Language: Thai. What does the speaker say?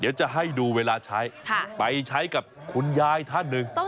เดี๋ยวจะให้ดูเวลาใช้ไปใช้กับคุณยายท่านหนึ่ง